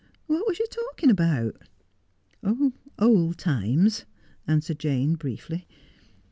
What was you talking about 1 '' Old times/ answered Jane briefly.